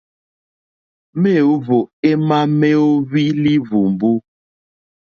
Méǒhwò émá méóhwí líhwùmbú.